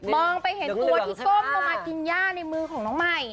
ไปเห็นตัวที่ก้มลงมากินย่าในมือของน้องใหม่